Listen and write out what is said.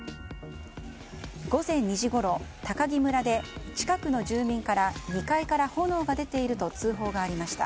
午前２時ごろ、喬木村で近くの住民から２階から炎が出ていると通報がありました。